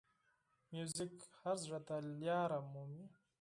موزیک هر زړه ته لاره مومي.